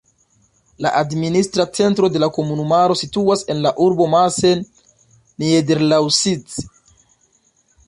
La administra centro de la komunumaro situas en la urbo Massen-Niederlausitz.